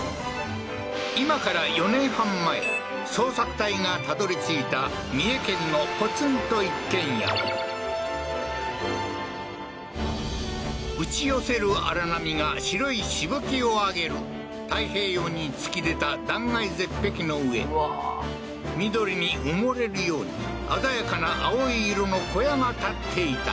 今から４年半前捜索隊がたどり着いた三重県のポツンと一軒家打ち寄せる荒波が白いしぶきを上げる太平洋に突き出た断崖絶壁の上緑に埋もれるように鮮やかな青い色の小屋が建っていた